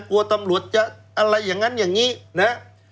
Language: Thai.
กลัวตำรวจจะอะไรอย่างนั้นอย่างนี้นะฮะ